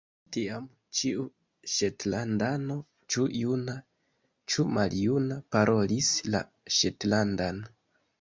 Tiam, ĉiu ŝetlandano, ĉu juna, ĉu maljuna, parolis la ŝetlandan.